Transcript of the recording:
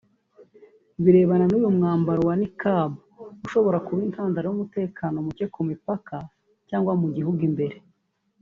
birebana n’uyu mwambaro wa Niqab ushobora kuba intandaro y’umutekano muke ku mipaka cyangwa mu gihugu imbere